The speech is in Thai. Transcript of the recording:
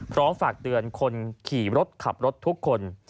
ฝากเตือนคนขี่รถขับรถทุกคน